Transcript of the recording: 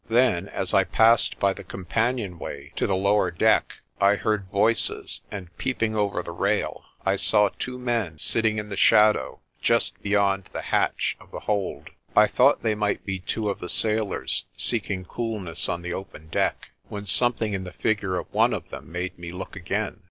Then, as I passed by the companionway to the lower deck, I heard voices, and peep ing over the rail, I saw two men sitting in the shadow just beyond the hatch of the hold. I thought they might be two of the sailors seeking cool ness on the open deck, when something in the figure of one of them made me look again.